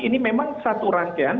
ini bukan satu rangkaian